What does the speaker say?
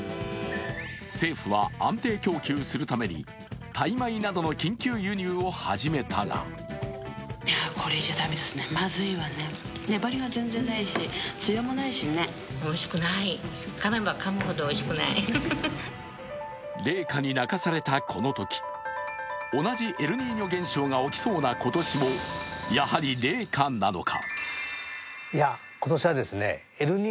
政府は安定供給するためにタイ米などの緊急輸入を始めたが冷夏に泣かされたこのとき同じエルニーニョ現象が起きそうな今年もやはり冷夏なのか。